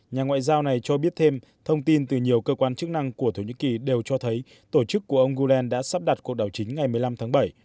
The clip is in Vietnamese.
nhà ngoại giao này cho biết thêm thông tin từ nhiều cơ quan chức năng của thổ nhĩ kỳ đều cho thấy tổ chức của ông gulen đã sắp đặt cuộc đảo chính ngày một mươi năm tháng bảy